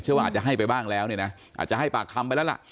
ว่าอาจจะให้ไปบ้างแล้วเนี่ยนะอาจจะให้ปากคำไปแล้วล่ะ